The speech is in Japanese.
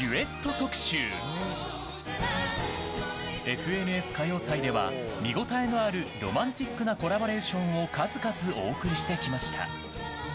「ＦＮＳ歌謡祭」では見応えのあるロマンティックなコラボレーションを数々お送りしてきました。